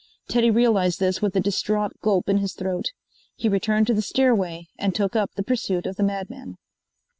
Teddy realized this with a distraught gulp in his throat. He returned to the stairway and took up the pursuit of the madman.